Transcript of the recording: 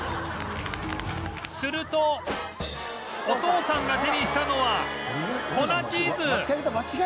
するとお父さんが手にしたのは粉チーズ